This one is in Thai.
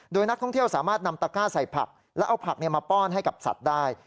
โดยนักท่องเที่ยวสามารถนำตะก้าใส่ผักแล้วเอาผักมาป้อนให้กับสัตว์ได้